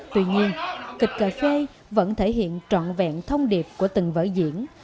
tuy nhiên kịch cà phê vẫn thể hiện trọn vẹn thông điệp của từng vở diễn